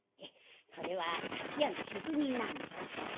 「それは菓子屋の職人なんで」。